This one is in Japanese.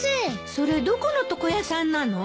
それどこの床屋さんなの？